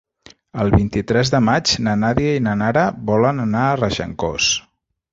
El vint-i-tres de maig na Nàdia i na Nara volen anar a Regencós.